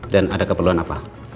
dan ada keperluan apa